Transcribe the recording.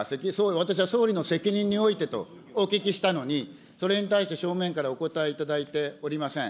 私は総理の責任においてとお聞きしたのに、それに対して正面からお答えいただいておりません。